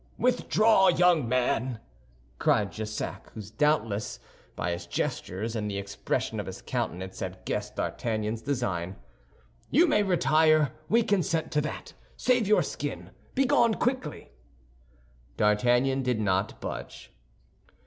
"Withdraw, young man," cried Jussac, who doubtless, by his gestures and the expression of his countenance, had guessed D'Artagnan's design. "You may retire; we consent to that. Save your skin; begone quickly." D'Artagnan did not budge.